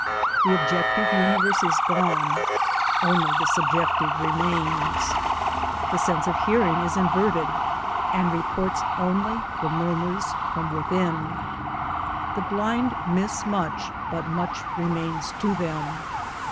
The objective universe is gone; only the subjective remains; the sense of hearing is inverted, and reports only the murmurs from within. The blind miss much, but much remains to them.